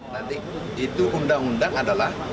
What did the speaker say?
nanti itu undang undang adalah